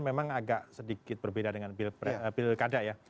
memang agak sedikit berbeda dengan pilkada ya